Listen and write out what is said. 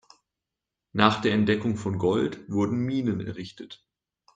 Nach der Entdeckung von Gold wurden Minen errichtet.